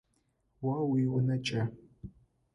О уиунэ кӏэ.